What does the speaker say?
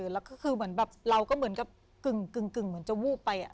แล้วก็คือเหมือนแบบเราก็เหมือนกับกึ่งเหมือนจะวูบไป